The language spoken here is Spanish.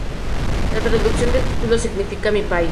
La traducción del título significa "Mi país".